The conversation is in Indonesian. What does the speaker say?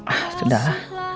ah sudah lah